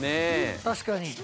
確かに。